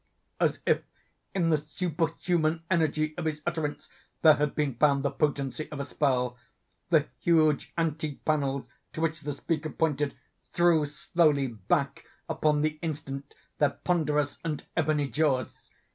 _" As if in the superhuman energy of his utterance there had been found the potency of a spell—the huge antique pannels to which the speaker pointed, threw slowly back, upon the instant, their ponderous and ebony jaws.